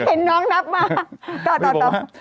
เห็นน้องนับมาต่อพี่บอกว่า